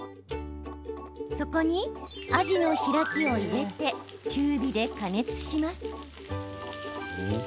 そこに、あじの開きを入れて中火で加熱します。